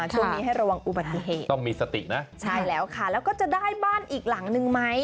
ช่วงนี้ให้ระวังอุบัติเหตุต้องมีสตินะใช่แล้วค่ะแล้วก็จะได้บ้านอีกหลังนึงไหม